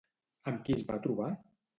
Amb qui es va trobar?